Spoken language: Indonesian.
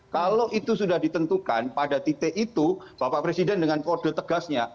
kalau itu sudah ditentukan pada titik itu bapak presiden dengan kode tegasnya